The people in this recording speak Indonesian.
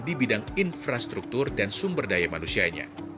di bidang infrastruktur dan sumber daya manusianya